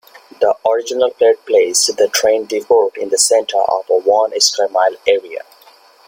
The original plat placed the train depot in the center of a one-square-mile area.